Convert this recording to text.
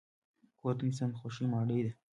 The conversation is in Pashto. کور د انسان د خوښۍ ماڼۍ ده.